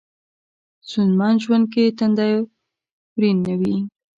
ستونځمن ژوند کې تندی ورین نه وي.